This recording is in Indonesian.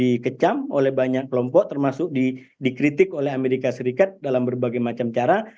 dikecam oleh banyak kelompok termasuk dikritik oleh amerika serikat dalam berbagai macam cara